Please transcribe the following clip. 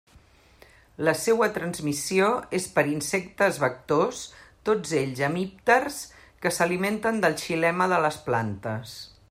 La seua transmissió és per insectes vectors, tots ells hemípters que s'alimenten del xilema de les plantes.